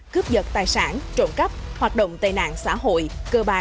cướp dật tài sản trộn cấp hoạt động tề nạn xã hội như cờ bạc mại dân